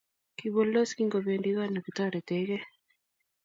Kiboldos kingobendi kot nekitoretekei